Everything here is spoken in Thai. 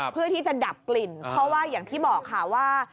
เพื่อที่จะดับกลิ่นเพราะว่าอย่างที่บอกค่ะว่า